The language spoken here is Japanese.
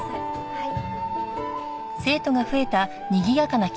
はい。